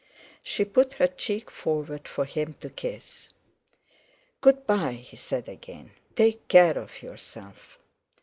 She put her cheek forward for him to kiss. "Good bye," he said again; "take care of yourself."